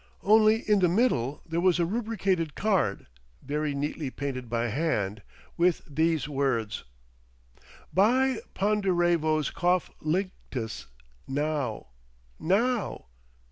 Only in the middle there was a rubricated card, very neatly painted by hand, with these words— Buy Ponderevo's Cough Linctus now. NOW!